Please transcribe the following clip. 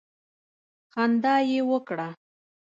خندا یې وکړه.